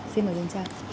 xin mời dương trang